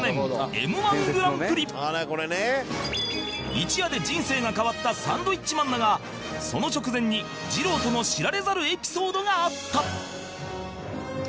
一夜で人生が変わったサンドウィッチマンだがその直前に二郎との知られざるエピソードがあった